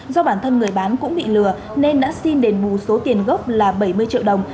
do bản thân người bán cũng bị lừa nên đã xin đền bù số tiền gốc là bảy mươi triệu đồng